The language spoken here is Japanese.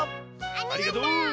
ありがとう！